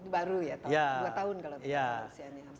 baru ya dua tahun kalau di indonesia ini